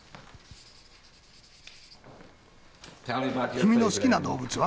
君の好きな動物は？